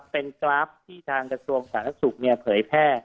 เป็นกราฟที่ทางกระทรวงศาสตร์ศักดิ์ศุกร์เผยแพร่